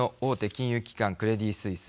金融機関クレディ・スイス。